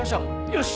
よし！